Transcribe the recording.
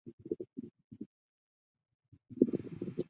韦拔群故居遗址及旧墓的历史年代为近代。